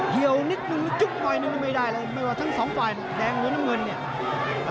เหี่ยวนิดนึงหรือจุ๊บหน่อยนึงไม่ได้เลยไม่ว่าทั้งสองฝ่ายแดงหรือน้ำเงินเนี่ย